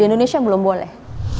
di indonesia belum boleh